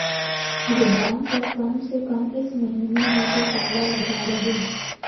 زبان پر کم سے کم اس مہینے میں تو تالا لگا رہے